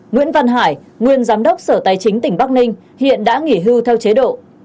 nguyễn văn hải nguyên giám đốc sở tài chính tỉnh bắc ninh hiện đã nghỉ hưu theo chế độ